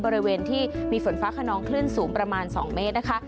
บริเวณที่มีฝนฟ้าขนองคลื่นสูงประมาณ๒เมตรนะคะ